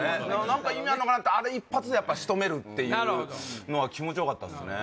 なんか意味あんのかなってあれ一発でしとめるっていうのは気持ちよかったっすね